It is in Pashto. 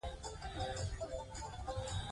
زه دلته د هېچا نوم نه شم اخيستی.